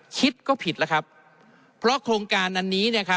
คิดก็ผิดแล้วครับเพราะโครงการอันนี้